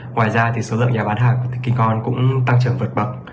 ngoài ra số lượng nhà bán hàng của tiki ngon cũng tăng trưởng vượt bậc